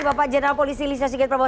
bapak jenderal polisi lisuya sigit prabowo